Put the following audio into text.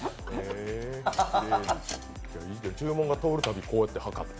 注文が通るたびこうやってはかって。